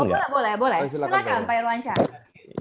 silakan pak irwansyah